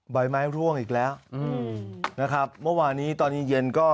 ใบไม้ร่วงอีกแล้วอืมนะครับเมื่อวานี้ตอนเย็นเย็นก็